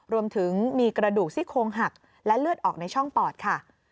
รวมถึงมีกระดูกซี่โครงหักและเลือดออกในช่องปอดค่ะ